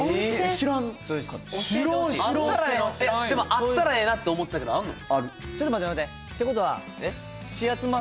えっでもあったらええなって思ってたけどあんの？